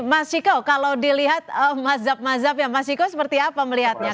mas ciko kalau dilihat mazhab mazhab ya mas ciko seperti apa melihatnya